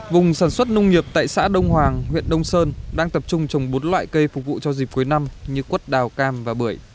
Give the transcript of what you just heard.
vùng sản xuất nông nghiệp tại xã đông hoàng huyện đông sơn đang tập trung trồng bốn loại cây phục vụ cho dịp cuối năm như quất đào cam và bưởi